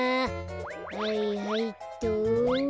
はいはいっと。